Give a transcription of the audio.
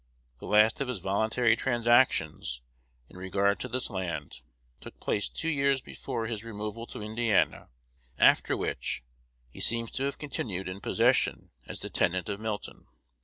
The last of his voluntary transactions, in regard to this land, took place two years before his removal to Indiana; after which, he seems to have continued in possession as the tenant of Milton.